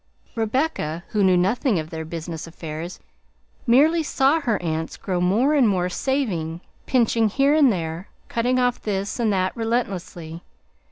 Rebecca, who knew nothing of their business affairs, merely saw her aunts grow more and more saving, pinching here and there, cutting off this and that relentlessly.